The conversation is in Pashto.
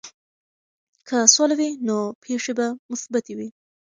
که سوله وي، نو پېښې به مثبتې وي.